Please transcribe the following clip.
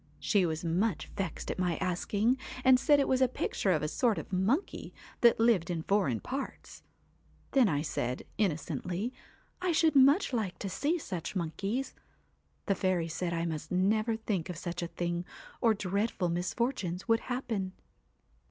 She was much vexed at my asking, and said it was a picture of a sort of monkey that lived in foreign parts. Then I said, innocently, I should much like to see such monkeys. The fairy said I must never think of such a thing, or dreadful misfortunes would happen.